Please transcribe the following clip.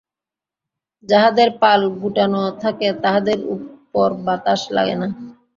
যাহাদের পাল গুটানো থাকে, তাহাদের উপর বাতাস লাগে না।